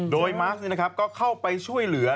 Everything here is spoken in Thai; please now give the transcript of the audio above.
โดยมาสต์นี้นะครับก็เข้าไปช่วยเหลือนะฮะ